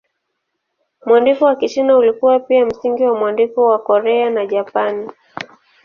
Mwandiko wa Kichina ulikuwa pia msingi wa mwandiko wa Korea na Japani.